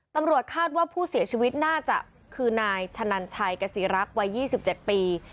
ตำรวจคาดว่าผู้เสียชีวิตน่าจะคือนายชะนันชัยกษีรักษ์วัย๒๗ปี